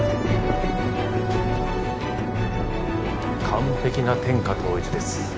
完璧な天下統一です。